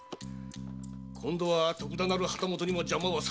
今度は徳田なる旗本にも邪魔はさせんぞ。